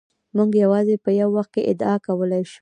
موږ یوازې په یو وخت کې ادعا کولای شو.